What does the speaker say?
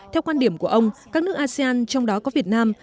theo quan điểm của ông các nước asean trong đó có việt nam